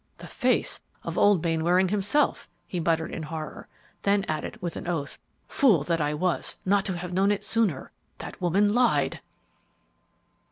"The face of old Mainwaring himself!" he muttered in horror; then added, with an oath, "Fool that I was not to have known it sooner! That woman lied!"